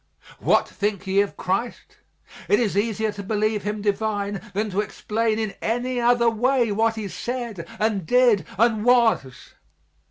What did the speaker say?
"What think ye of Christ?" It is easier to believe Him divine than to explain in any other way what he said and did and was.